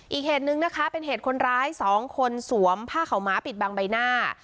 อีกเหตุนึงนะคะเป็นเหตุคนร้าย๒คนสวมผ้าขาวหมาปิดบังใบหน้า